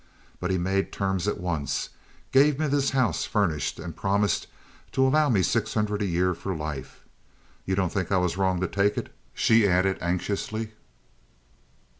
But he made terms at once, gave me this house furnished, and promised to allow me six hundred a year for life. You don't think I was wrong to take it?" she added anxiously.